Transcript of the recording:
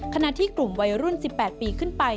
ขณะที่กลุ่มวัยรุ่น๑๘ปีขึ้นไป